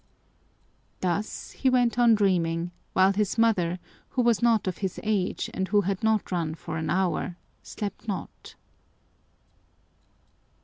Thus he went on dreaming, while his mother, who was not of his age and who had not run for an hour, slept not.